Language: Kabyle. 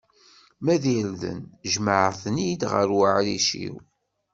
Ma d irden, jemɛet-ten-id ɣer uɛric-iw.